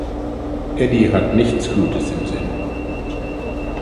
Eddy hat nichts Gutes im Sinn.